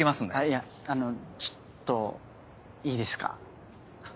いやあのちょっといいですか？